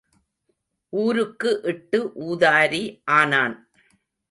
ஊருக்கு இட்டு ஊதாரி ஆனான்.